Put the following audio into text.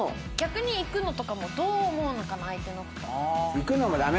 行くのもダメ。